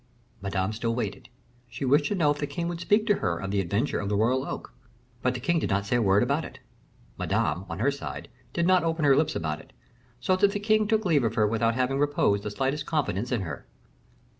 Madame still waited; she wished to know if the king would speak to her of the adventure of the royal oak. But the king did not say a word about it. Madame, on her side, did not open her lips about it; so that the king took leave of her without having reposed the slightest confidence in her.